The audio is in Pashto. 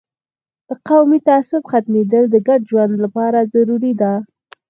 د قومي تعصب ختمیدل د ګډ ژوند لپاره ضروري ده.